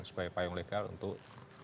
sebagai payung legal untuk